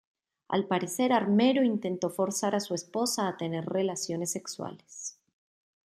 Al parecer Armero intentó forzar a su esposa a tener relaciones sexuales.